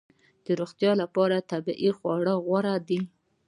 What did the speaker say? د روغتیا لپاره طبیعي خواړه غوره دي